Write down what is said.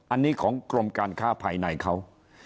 อันนี้ของกรมการค้าภายในเขา